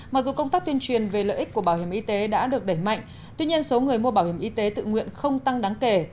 mặc dù công tác tuyên truyền về lợi ích của bảo hiểm y tế đã được đẩy mạnh tuy nhiên số người mua bảo hiểm y tế tự nguyện không tăng đáng kể